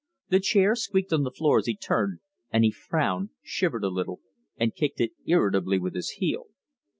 The chair squeaked on the floor as he turned, and he frowned, shivered a little, and kicked it irritably with his heel.